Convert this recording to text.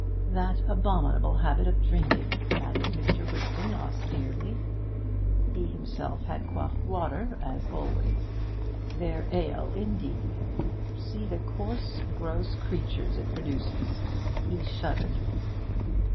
'That abominable habit of drinking!' added Mr. Whiston austerely. He himself had quaffed water, as always. 'Their ale, indeed! See the coarse, gross creatures it produces!' He shuddered.